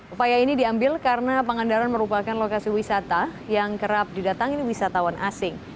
upaya ini diambil karena pangandaran merupakan lokasi wisata yang kerap didatangi wisatawan asing